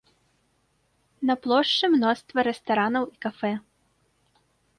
На плошчы мноства рэстаранаў і кафэ.